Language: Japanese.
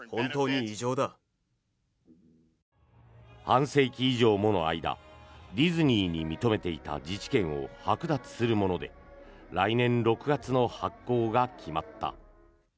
半世紀以上もの間ディズニーに認めていた自治権をはく奪するもので来年６月の発効が決まった。